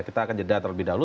kita akan jeda terlebih dahulu